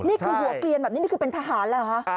นี่คือหัวเกลียนแบบนี้นี่คือเป็นทหารเหรอคะ